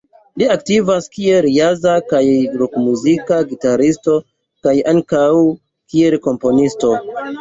Li aktivas kiel ĵaza kaj rokmuzika gitaristo kaj ankaŭ kiel komponisto.